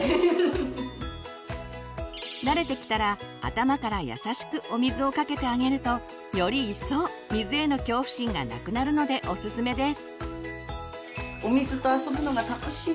慣れてきたら頭から優しくお水をかけてあげるとよりいっそう水への恐怖心がなくなるのでオススメです。